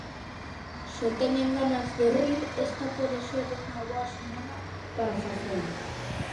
Se teñen ganas de rir, esta pode ser unha boa semana para facelo.